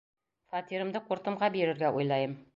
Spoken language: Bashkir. Фатирымды ҡуртымға бирергә уйлайым.